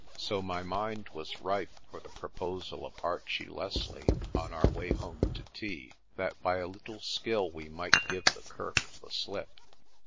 So my mind was ripe for the proposal of Archie Leslie, on our way home to tea, that by a little skill we might give the kirk the slip.